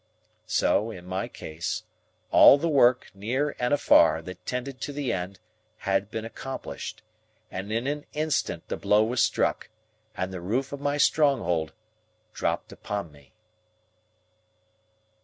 So, in my case; all the work, near and afar, that tended to the end, had been accomplished; and in an instant the blow was struck, and the roof of my stronghold dropped upon me.